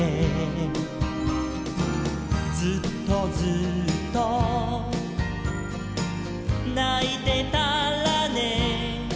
「ずっとずっとないてたらね」